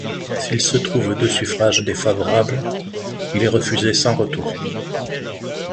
S'il se trouve deux suffrages défavorables, il est refusé sans retour.